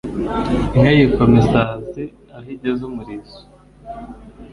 inka yikoma isazi aho igeza umurizo